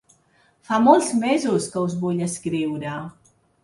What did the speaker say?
Fa molts mesos que us vull escriure.